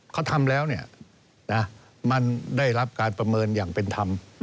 เขาทำแล้วมันได้รับการประเมินอย่างเป็นธรรม